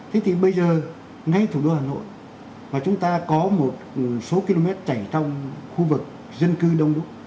thế thì bây giờ ngay thủ đô hà nội và chúng ta có một số km chảy trong khu vực dân cư đông đúc